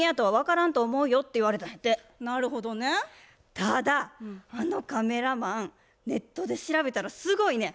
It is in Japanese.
ただあのカメラマンネットで調べたらすごいねん。